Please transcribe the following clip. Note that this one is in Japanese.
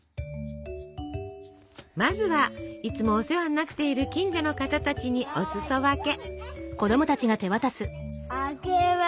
まずはいつもお世話になっている近所の方たちにお裾分け。